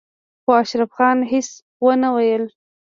خو اشرف خان هېڅ ونه ويل.